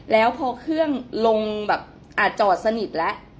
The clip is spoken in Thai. แล้วพอเครื่องลงแบบจอดสนิทแล้ว